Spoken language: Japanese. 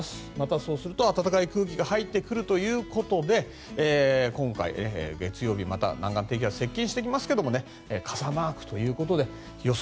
そうすると暖かい空気が入ってくるということで今回、月曜日また南岸低気圧は接近してきますけれども傘マークということで予想